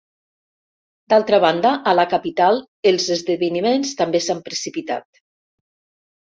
D'altra banda, a la capital els esdeveniments també s'han precipitat.